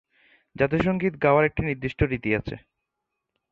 জাতীয় সঙ্গীত গাওয়ার একটি নির্দিষ্ট রীতি আছে।